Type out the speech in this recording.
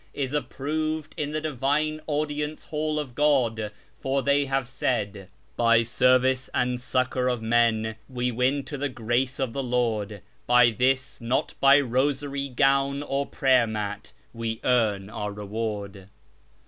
is approved in the divine audience hall of God ; for they have said —' By service and succour of men we win to the grace of the Lord : By this, not by rosary, gown, or prayer mat, we earn our reward.'